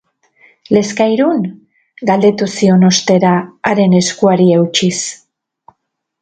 Lezkairun? Galdetu zion ostera, haren eskuari eutsiz.